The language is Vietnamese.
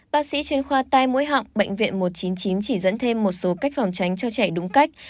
bác sĩ chuyên khoa tai mũi họng bệnh viện một trăm chín mươi chín chỉ dẫn thêm một số cách phòng tránh cho trẻ đúng cách